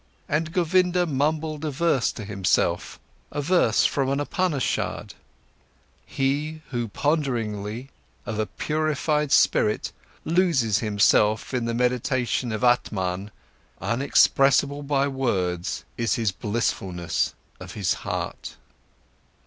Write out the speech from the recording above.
And Govinda mumbled a verse to himself, a verse from an Upanishad: He who ponderingly, of a purified spirit, loses himself in the meditation of Atman, unexpressable by words is his blissfulness of his heart.